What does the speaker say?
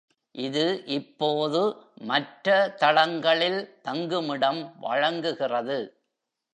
இது இப்போது மற்ற தளங்களில் தங்குமிடம் வழங்குகிறது.